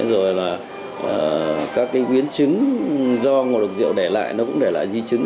rồi là các cái biến chứng do ngộ độc rượu để lại nó cũng để lại di chứng